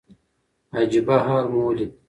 عجيبه حال مو وليد .